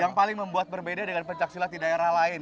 yang paling membuat berbeda dengan pencaksilat di daerah lain